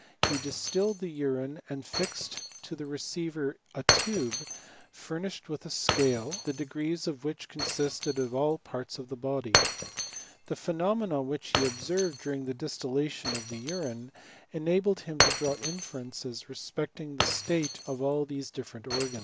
He distilled the urine, and fixed to the receiver a tube furnished with a scale, the degrees of which consisted of all the parts of the body. The phenomena which be observed during the distillation of the urine, enabled him to draw inferences respecting the state of all these difierent organs.